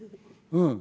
うん。